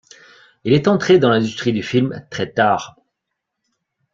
Il est entré dans l’industrie du film très tard.